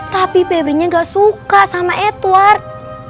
tapi febri nya gak suka sama edward